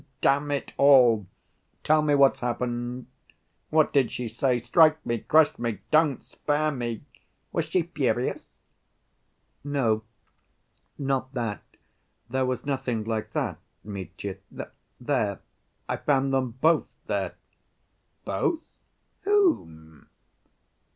Damn it all, tell me what's happened. What did she say? Strike me, crush me, don't spare me! Was she furious?" "No, not that.... There was nothing like that, Mitya. There—I found them both there." "Both? Whom?"